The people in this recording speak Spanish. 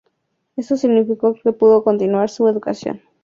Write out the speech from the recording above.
Esto significó que pudo continuar su educación.